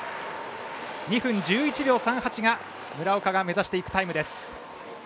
２分１１秒３８が村岡が目指していくタイムです。